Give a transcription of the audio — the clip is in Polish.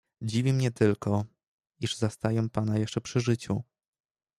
"Dziwi mnie tylko, iż zastaję pana jeszcze przy życiu."